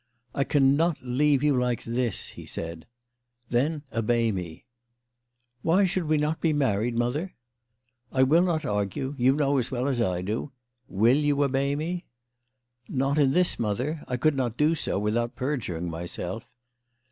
"I cannot leave you like this," he said. " Then obey me." THE LADY OF LAUNAY. 139 " Why should we not be married, mother ?"" I will not argue. You know as well as I do. Will you obey me ?"" Not in this, mother. I could not do so without perjuring myself."